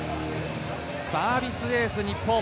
サービスエース日本。